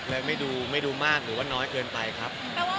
และไม่ดูไม่ดูมากหรือว่าน้อยเกินไปครับ